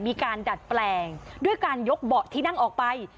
มีการดัดแปลงด้วยการยกเบาะที่นั่งออกไป